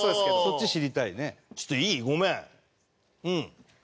ちょっといい？ごめん。